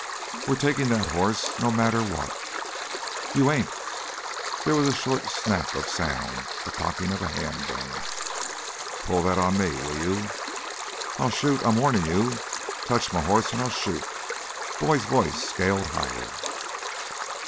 We're takin' that hoss, no matter what!" "You ain't!" There was a short snap of sound, the cocking of a hand gun. "Pull that on me, will you!" "I'll shoot! I'm warnin' you ... touch m' horse, and I'll shoot!" Boyd's voice scaled higher.